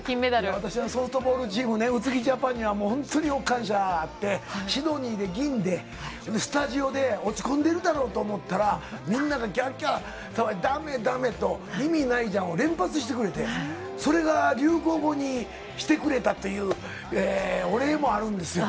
私はソフトボールチームね、宇津木ジャパンには、もう本当に感謝があって、シドニーで銀で、スタジオで落ち込んでるだろうと思ったら、みんながきゃっきゃっ騒いで、だめだめと意味ないじゃーんを連発してくれて、それが流行語に、してくれたっていう、お礼もあるんですよ。